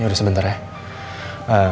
ya udah sebentar ya